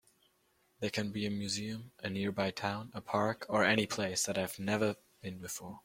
They can be a museum, a nearby town, a park, or any place that I have never been before.